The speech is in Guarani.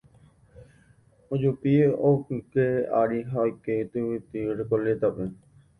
ojupi ogyke ári ha oike tyvyty Recoleta-pe